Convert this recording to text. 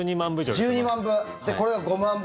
１２万部？